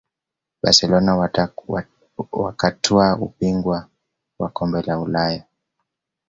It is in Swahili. barcelona wakatwaa ubingwa wa kombe la ulaya